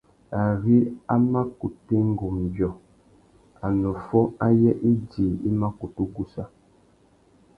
Ari a mà kutu enga umbiô, anôffô ayê idjï i mà kutu gussa.